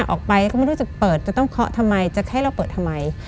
ออกไปก็ไม่รู้จะเปิดจะต้องเคาะทำไมจะให้เราเปิดทำไม